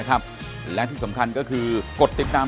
แค่นี้เอง